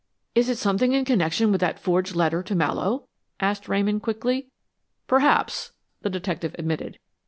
"Is it something in connection with that forged letter to Mallowe?" asked Ramon quickly. "Perhaps," the detective admitted.